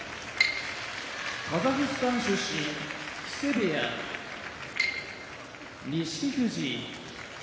カザフスタン出身木瀬部屋錦富士